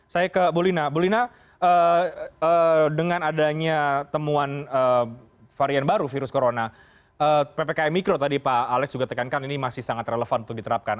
saya ke bu lina bu lina dengan adanya temuan varian baru virus corona ppkm mikro tadi pak alex juga tekankan ini masih sangat relevan untuk diterapkan